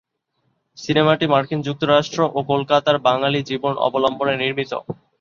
সিনেমাটি মার্কিন যুক্তরাষ্ট্র ও কলকাতার বাঙালির জীবন অবলম্বনে নির্মিত।